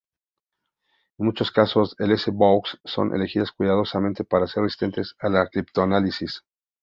En muchos casos las S-Boxes son elegidas cuidadosamente para ser resistentes al criptoanálisis.